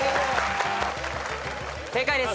正解です。